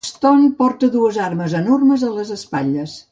Stone porta dues armes enormes a les espatlles.